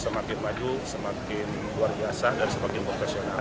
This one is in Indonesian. semakin maju semakin luar biasa dan semakin profesional